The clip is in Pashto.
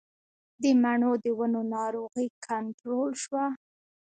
د مڼو د ونو ناروغي کنټرول شوه؟